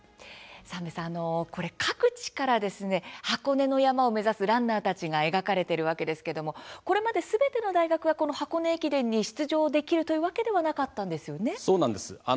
三瓶さん、各地から箱根の山を目指すランナーたちが描かれていますがこれまで、すべての大学が箱根駅伝に出場できるわけではなかったということですよね。